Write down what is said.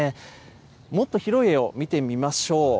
もっと広いえを見てみましょう。